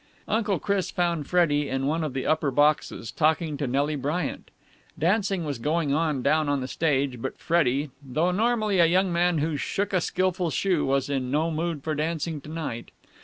Uncle Chris found Freddie in one of the upper boxes, talking to Nelly Bryant. Dancing was going on down on the stage, but Freddie, though normally a young man who shook a skilful shoe, was in no mood for dancing to night.